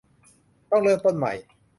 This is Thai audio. ต้องเริ่มต้นใหม่